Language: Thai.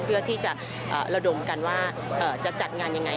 เพื่อที่จะระดมกันว่าจะจัดงานยังไง